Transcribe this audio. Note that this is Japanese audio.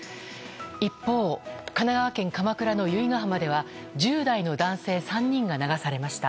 一方神奈川県鎌倉の由比ガ浜では１０代の男性３人が流されました。